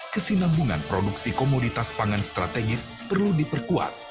kesinambungan produksi komoditas pangan strategis perlu diperkuat